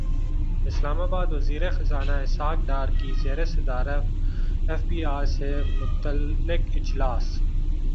اسلام اباد وزیر خزانہ اسحاق ڈار کی زیر صدارت ایف بی ار سے متعلق اجلاس